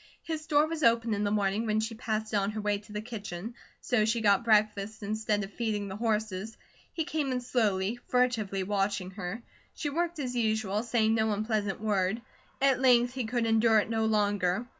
His door was open in the morning when she passed it on her way to the kitchen, so she got breakfast instead of feeding the horses. He came in slowly, furtively watching her. She worked as usual, saying no unpleasant word. At length he could endure it no longer.